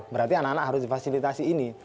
berarti anak anak harus difasilitasi ini